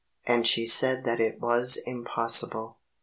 And she said that it was impossible.